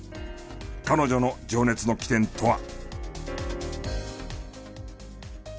彼女の情熱の起点とは。